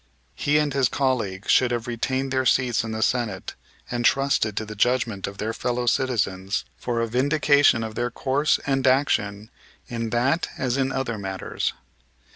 He and his colleague should have retained their seats in the Senate and trusted to the judgment of their fellow citizens for a vindication of their course and action in that as in other matters.